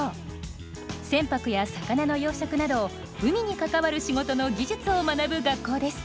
船舶や魚の養殖など海に関わる仕事の技術を学ぶ学校です。